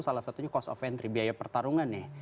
salah satunya cost of entry biaya pertarungan nih